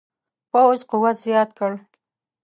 پوځ قوت زیات کړ.